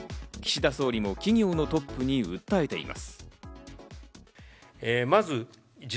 岸田総理も企業のトップに訴えています。